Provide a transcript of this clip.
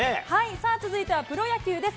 さあ、続いてはプロ野球です。